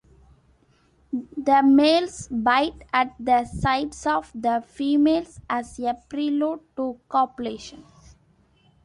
The males bite at the sides of the females as a prelude to copulation.